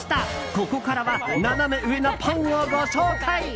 ここからはナナメ上なパンをご紹介。